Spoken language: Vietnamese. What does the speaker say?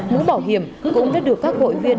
mũ bảo hiểm cũng đã được các hội viên